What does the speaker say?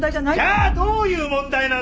じゃあどういう問題なんだ！